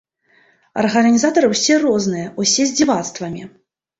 Арганізатары ўсе розныя, усе з дзівацтвамі.